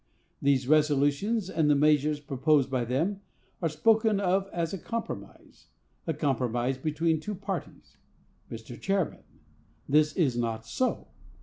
These resolutions, and the measures proposed by them, are spoken of as a compromise—a compromise between two parties. Mr. Chairman, this is not so.